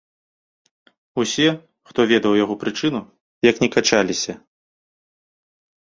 Усе, хто ведаў яго прычыну, як не качаліся.